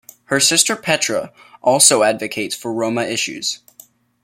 Her sister, Petra, also advocates for Roma issues.